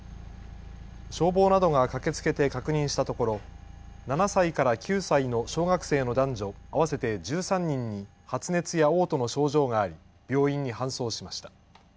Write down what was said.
消防などが駆けつけて確認したところ、７歳から９歳の小学生の男女合わせて１３人に発熱やおう吐の症状があり病院に搬送しました。